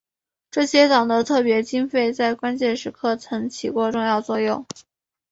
这些党的特别经费在关键时刻曾起过重要作用。